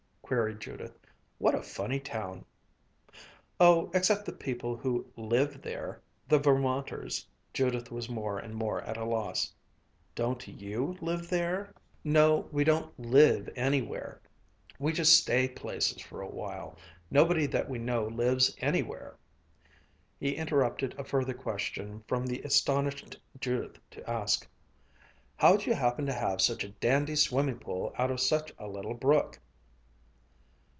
queried Judith. "What a funny town!" "Oh, except the people who live there the Vermonters." Judith was more and more at a loss. "Don't you live there?" "No, we don't live anywhere. We just stay places for a while. Nobody that we know lives anywhere." He interrupted a further question from the astonished Judith to ask, "How'd you happen to have such a dandy swimming pool out of such a little brook?"